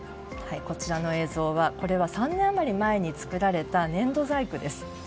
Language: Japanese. こちらの映像は３年余り前に作られた粘土細工です。